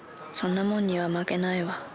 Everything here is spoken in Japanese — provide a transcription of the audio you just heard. そんなもんには負けないわ。